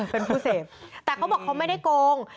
เป็นผู้เสพแต่เขาบอกเขาไม่ได้โกง